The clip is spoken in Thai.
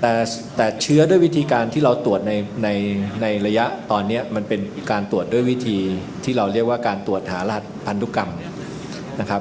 แต่เชื้อด้วยวิธีการที่เราตรวจในระยะตอนนี้มันเป็นการตรวจด้วยวิธีที่เราเรียกว่าการตรวจหาราชพันธุกรรมนะครับ